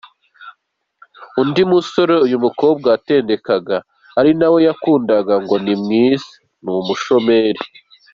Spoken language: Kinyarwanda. Undi musore uyu mukobwa yatendekaga ari na we yakundaga ngo ni mwiza, ni umushomeri.